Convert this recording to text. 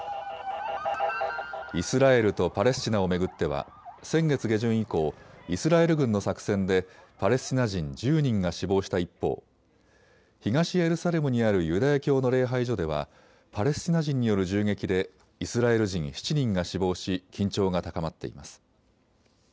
イスラエルとパレスチナを巡っては先月下旬以降、イスラエル軍の作戦でパレスチナ人１０人が死亡した一方、東エルサレムにあるユダヤ教の礼拝所ではパレスチナ人による銃撃でイスラエル人７人が死亡し緊張が高まっています。